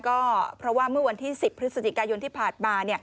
ก็เพราะว่าเมื่อวันที่๑๐พฤศจิกายนที่ผ่านมา